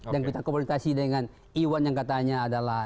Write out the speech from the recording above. dan kita komunikasi dengan iwan yang katanya